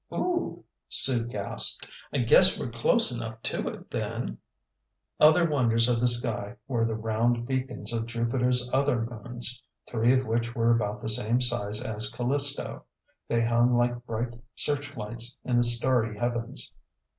"Ooo!" Sue gasped. "I guess we're close enough to it then!" Other wonders of the sky were the round beacons of Jupiter's other moons, three of which were about the same size as Callisto. They hung like bright searchlights in the starry heavens.